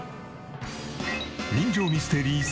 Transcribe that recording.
人情ミステリー